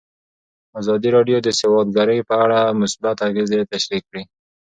ازادي راډیو د سوداګري په اړه مثبت اغېزې تشریح کړي.